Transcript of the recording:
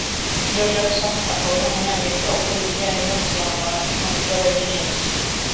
Joe Jackson akaba ari umunyamerika ukora ibijyanye no kuzamura impano z’abaririmbyi